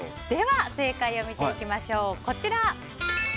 では、正解を見ていきましょう。